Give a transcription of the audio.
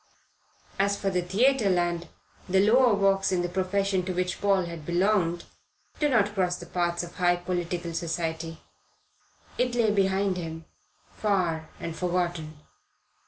As for Theatreland, the lower walks in the profession to which Paul had belonged do not cross the paths of high political society. It lay behind him far and forgotten.